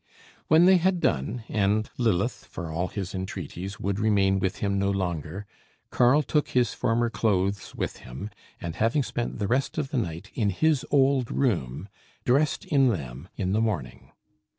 When they had done, and Lilith, for all his entreaties, would remain with him no longer, Karl took his former clothes with him, and having spent the rest of the night in his old room, dressed in them in the morning.